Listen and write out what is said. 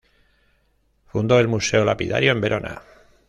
Fundó el Museo Lapidario en Verona.